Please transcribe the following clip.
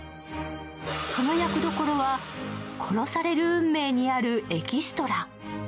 その役どころは殺される運命にあるエキストラ。